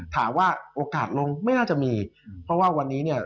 โอกาสลงไม่น่าจะมีเพราะว่าวันนี้เนี่ย